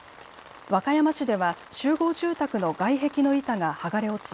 和歌山市では集合住宅の外壁の板が剥がれ落ち